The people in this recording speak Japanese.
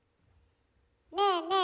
ねえねえ